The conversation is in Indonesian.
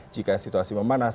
jika situasi memanas